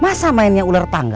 masa mainnya ular tangga